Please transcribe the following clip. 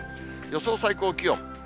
予想最高気温。